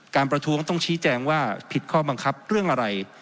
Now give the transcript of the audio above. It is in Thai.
ประท้วงต้องชี้แจงว่าผิดข้อบังคับเรื่องอะไร